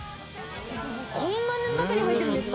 こんな中に入ってるんですか？